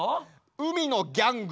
海のギャング。